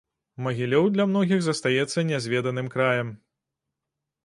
Магілёў для многіх застаецца нязведаным краем.